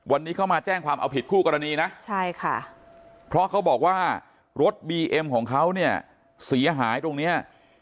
วันนี้เขามาแจ้งความเอาผิดคู่กรณีนะใช่ค่ะเพราะเขาบอกว่ารถบีเอ็มของเขาเนี่ยเสียหายตรงเนี้ย